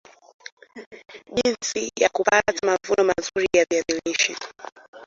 jinsi ya kupata mavuno mazuri ya viazi lishe